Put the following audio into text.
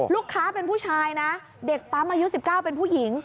ลูกค้าเป็นผู้ชายนะเด็กปั๊มอายุ๑๙เป็นผู้หญิง